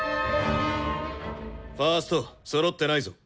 ファーストそろってないぞ。